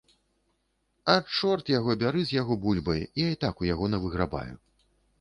А, чорт яго бяры з яго бульбай, я і так у яго навыграбаю.